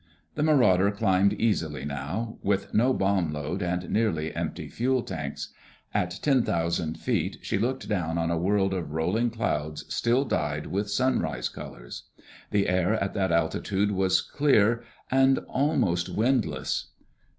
The Marauder climbed easily now, with no bomb load and nearly empty fuel tanks. At ten thousand feet she looked down on a world of rolling clouds still dyed with sunrise colors. The air at that altitude was clear and almost windless.